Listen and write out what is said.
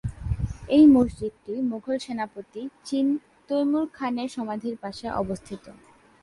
এই মসজিদটি মোঘল সেনাপতি চীন তৈমুর খানের সমাধির পাশে অবস্থিত।